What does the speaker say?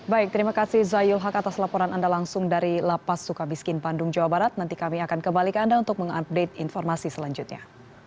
baik terima kasih zayul haq atas laporan anda langsung dari lapas suka miskin bandung jawa barat nanti kami akan kembali ke anda untuk mengupdate informasi selanjutnya